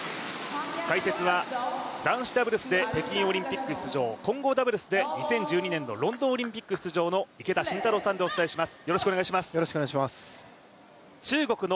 解説は男子ダブルスで北京オリンピック出場、混合ダブルスで２０１２年のロンドンオリンピック出場、池田信太郎さんでお伝えします。